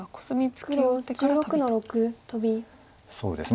そうですね